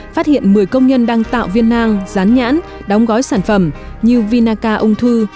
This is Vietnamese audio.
phát hiện một mươi công nhân đang tạo viên nang rán nhãn đóng gói sản phẩm như vinaca ung thư